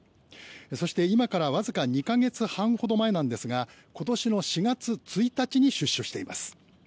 そして今からわずか２か月半ほど前なんですが今年の４月１日に出所しています。